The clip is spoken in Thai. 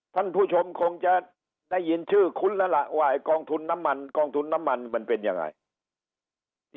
ท่านผู้ชมคงจะได้ยินชื่อคุ้นแล้วล่ะว่าไอกองทุนน้ำมันกองทุนน้ำมันมันเป็นยังไง